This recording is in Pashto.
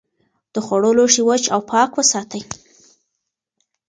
د خوړو لوښي وچ او پاک وساتئ.